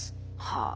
はあ。